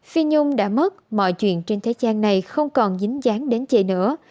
phi nhung đã mất mọi chuyện trên thế gian này không còn dính dáng đến chị nữa